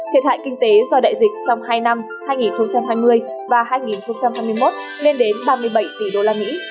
thiệt hại kinh tế do đại dịch trong hai năm hai nghìn hai mươi và hai nghìn hai mươi một lên đến ba mươi bảy tỷ đô la mỹ